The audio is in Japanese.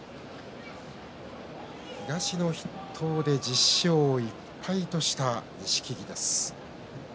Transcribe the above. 東の筆頭で１０勝１敗とした錦木です。